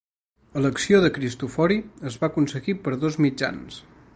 A l'acció de Cristofori, es va aconseguir per dos mitjans.